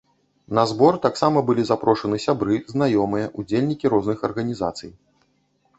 На збор таксама былі запрошаны сябры, знаёмыя, удзельнікі розных арганізацый.